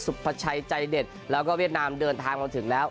พระชัยใจเด็ดแล้วก็เวียดนามเดินทางมาถึงแล้ว